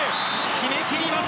決め切ります。